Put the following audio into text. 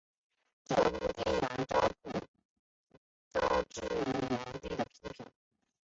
这部电影普遍招致严厉的批评。